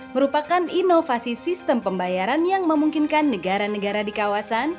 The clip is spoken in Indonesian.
merupakan inovasi sistem pembayaran yang memungkinkan negara negara di kawasan